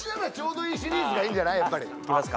やっぱりいきますか？